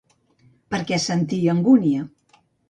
Per què sentia angúnia?